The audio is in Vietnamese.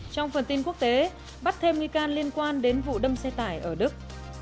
trong phần tin quốc tế bắt thêm nghi can liên quan đến vụ đâm xe tải ở đức